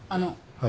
はい。